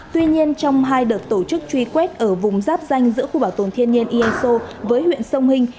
tuy nhiên trong hai đợt tổ chức truy quét ở vùng giáp danh giữa khu bảo tồn thiên nhiên eso với huyện sông hình